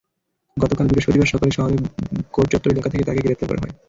গতকাল বৃহস্পতিবার সকালে শহরের কোর্ট চত্বর এলাকা থেকে তাঁকে গ্রেপ্তার করা হয়।